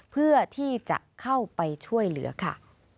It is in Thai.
เพื่อที่จะเข้าไปช่วยเหลือค่ะ